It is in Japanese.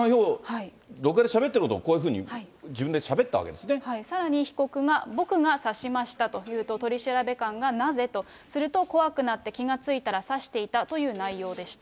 録画でしゃべっていることをこういうふうに自分でしゃべったさらに、被告が、僕が刺しましたというと、取調官がなぜ？と、すると、怖くなって、気が付いたら刺していたという内容でした。